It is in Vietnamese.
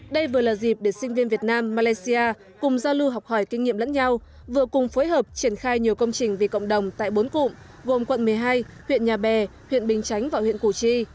đây vừa là dịp để sinh viên việt nam malaysia cùng giao lưu học hỏi kinh nghiệm lẫn nhau vừa cùng phối hợp triển khai nhiều công trình vì cộng đồng tại bốn cụm gồm quận một mươi hai huyện nhà bè huyện bình chánh và huyện củ chi